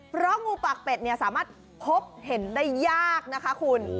เพราะงูปากเป็ดเนี่ยสามารถพบเห็นได้ยากนะคะคุณ